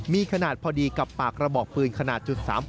มีขนาดพอดีกับปากกระบอกปืนขนาด๓๘